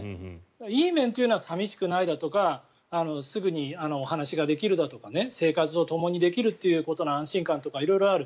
いい面というのは寂しくないだとかすぐにお話ができるだとか生活をともにできるということの安心感とか色々ある。